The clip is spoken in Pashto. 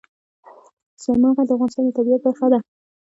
سلیمان غر د افغانستان د طبیعت برخه ده.